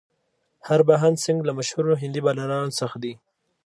هربهن سنګ له مشهورو هندي بالرانو څخه دئ.